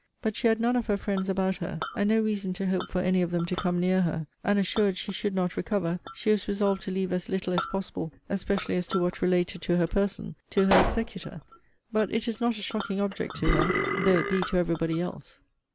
But she had none of her friends about her, and no reason to hope for any of them to come near her; and, assured she should not recover, she was resolved to leave as little as possible, especially as to what related to her person, to her executor. But it is not a shocking object to her, though it be to every body else.